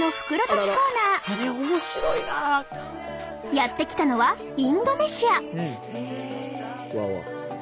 やって来たのはインドネシア。